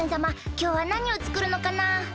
きょうはなにをつくるのかな？